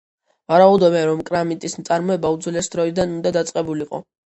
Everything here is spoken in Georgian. ვარაუდობენ, რომ კრამიტის წარმოება უძველესი დროიდან უნდა დაწყებულიყო.